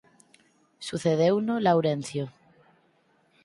Sucedeuno Laurencio.